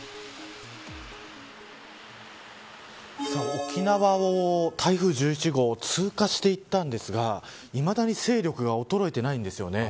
沖縄を台風１１号通過していったんですがいまだに勢力が衰えてないんですよね。